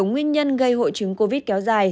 nguyên nhân gây hội chứng covid kéo dài